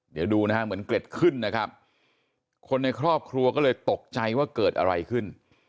เดี๋ยวดูนะฮะเหมือนเกล็ดขึ้นนะครับคนในครอบครัวก็เลยตกใจว่าเกิดอะไรขึ้น